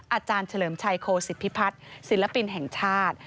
อาจารย์เฉลิมชัยโคศิพิพัฒน์ศิลปินแห่งชาติ